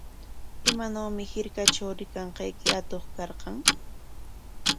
¿Imanawmi hirkatraw rikanqayki atuq karqan?